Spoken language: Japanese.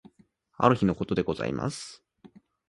ある日の事でございます。